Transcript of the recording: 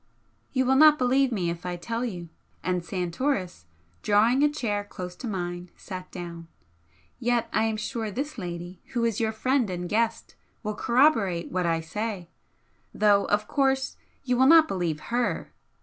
"You will not believe me if I tell you," and Santoris, drawing a chair close to mine, sat down, "Yet I am sure this lady, who is your friend and guest, will corroborate what I say, though, of course, you will not believe HER!